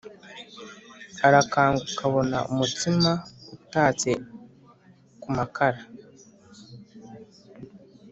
Arakanguka abona umutsima utaze ku Makara